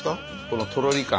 このとろり感。